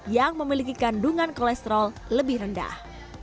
yang memiliki kandungan kolesterol lebih rendah